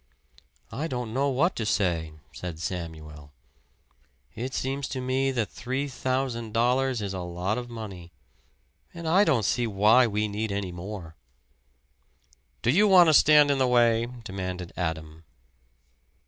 "I don't know what to say," said Samuel. "It seems to me that three thousand dollars is a lot of money. And I don't see why we need any more." "Do you want to stand in the way?" demanded Adam.